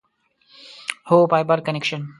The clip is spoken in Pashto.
هو، فایبر کنکشن